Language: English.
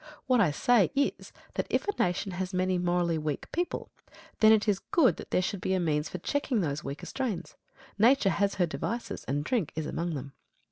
What I say is, that if a nation has many morally weak people, then it is good that there should be a means for checking those weaker strains. Nature has her devices, and drink is among them.